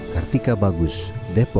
masih ada semua